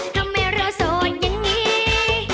ทำไมเราโสดอย่างนี้